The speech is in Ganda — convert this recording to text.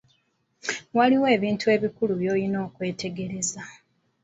Waliwo ebintu ebikulu by'olina okwetegereza.